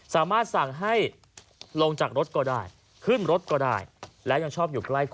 ก็มีเป็นอาสาคกู้ภัยบอกว่า